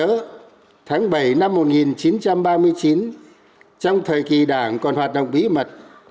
năm một nghìn chín trăm ba mươi một tháng bảy năm một nghìn chín trăm ba mươi chín trong thời kỳ đảng còn hoạt động bí mật